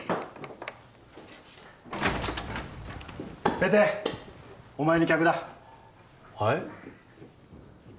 ペテお前に客だはい？